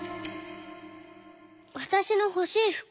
「わたしのほしいふく。